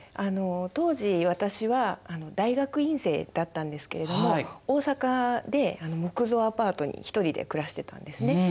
当時私は大学院生だったんですけれども大阪で木造アパートに１人で暮らしてたんですね。